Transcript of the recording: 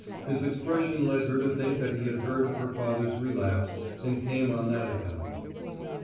His expression led her to think that he had heard of her father's relapse, and came on that account.